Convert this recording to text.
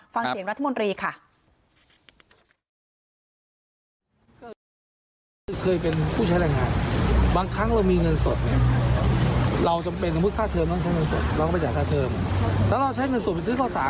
ฟังเสียงรัฐมนตรีค่ะ